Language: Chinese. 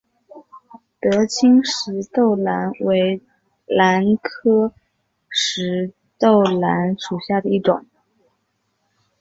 德钦石豆兰为兰科石豆兰属下的一个种。